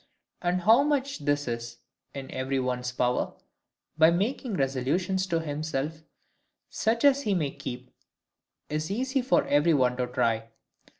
And how much this is in every one's power, by making resolutions to himself, such as he may keep, is easy for every one to try.